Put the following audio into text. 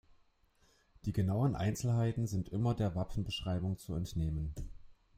Die genauen Einzelheiten sind immer der Wappenbeschreibung zu entnehmen.